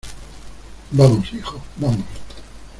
vamos, hijo. vamos .